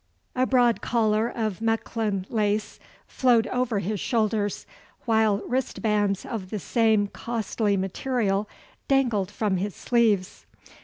A broad collar of Mechlin lace flowed over his shoulders, while wristbands of the same costly material dangled from his sleeves.